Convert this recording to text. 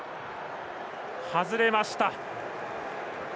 外れました。